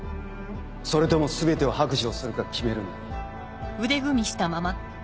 それとも全てを白状するか決めるんだ